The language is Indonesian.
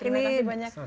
terima kasih banyak